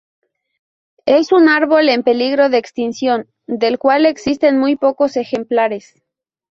Es un árbol en peligro de extinción, del cual existen muy pocos ejemplares.